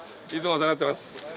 お世話になります。